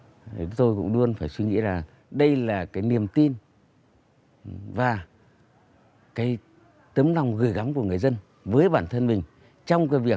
trong cái việc tạo ra những điều này tôi cũng luôn phải suy nghĩ là đây là cái niềm tin và cái tấm nòng gửi gắm của người dân với bản thân mình